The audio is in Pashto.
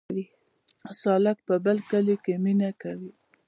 سالک په بل کلي کې مینه کوي